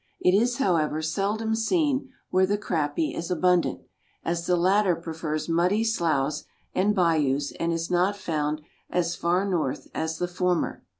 It is, however, seldom seen where the Crappie is abundant, as the latter prefers muddy sloughs and bayous and is not found as far north as the former.